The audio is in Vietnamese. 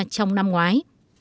trong năm ngoái